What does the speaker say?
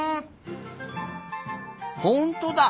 ほんとだ。